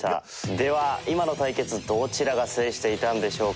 では今の対決どちらが制していたんでしょうか？